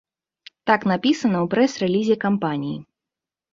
Так напісана ў прэс-рэлізе кампаніі.